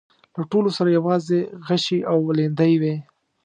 له ټولو سره يواځې غشي او ليندۍ وې.